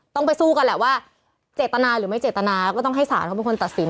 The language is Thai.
ต้องไปสู้กันแหละว่าเจตนาหรือไม่เจตนาก็ต้องให้ศาลเขาเป็นคนตัดสิน